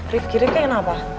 rief rief rief kayaknya kenapa